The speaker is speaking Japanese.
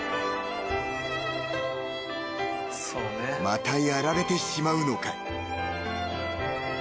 ［またやられてしまうのか？］